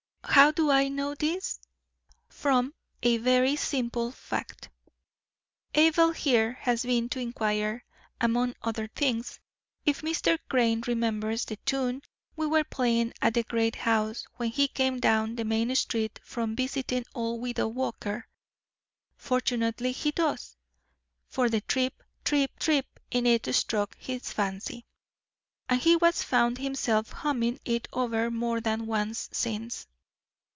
How do I know this? From a very simple fact. Abel here has been to inquire, among other things, if Mr. Crane remembers the tune we were playing at the great house when he came down the main street from visiting old widow Walker. Fortunately he does, for the trip, trip, trip in it struck his fancy, and he has found himself humming it over more than once since.